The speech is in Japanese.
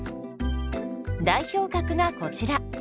代表格がこちら。